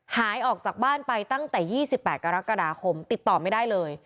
หายออกจากบ้านไปตั้งแต่๒๘กรกฎาคมติดต่อไม่ได้เลย